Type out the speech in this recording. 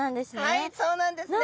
はいそうなんですね。